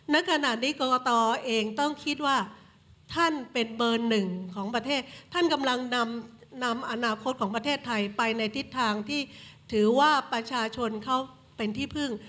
ณขณะนี้กรกตเองต้องคิดว่าท่านเป็นเบอร์หนึ่งของประเทศท่านกำลังนำอนาคตของประเทศไทยไปในทิศทางที่ถือว่าประชาชนเขาเป็นที่พึ่ง